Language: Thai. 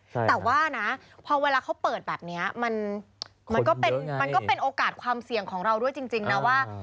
แต่ว่านะพอเวลาเขาเปิดแบบนี้มันก็เป็นมันก็เป็นโอกาสความเสี่ยงของเราด้วยจริงนะว่า